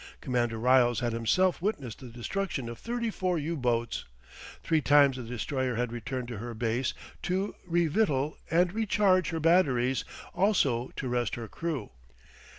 Commander Ryles had himself witnessed the destruction of thirty four U boats. Three times the Destroyer had returned to her base to re victual and recharge her batteries, also to rest her crew.